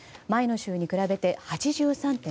前の週に比べて８３．３％。